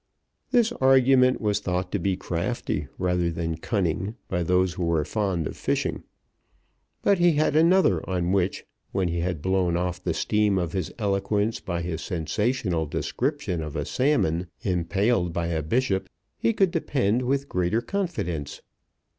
This argument was thought to be crafty rather than cunning by those who were fond of fishing. But he had another on which, when he had blown off the steam of his eloquence by his sensational description of a salmon impaled by a bishop, he could depend with greater confidence.